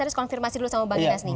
harus konfirmasi dulu sama bang idas nih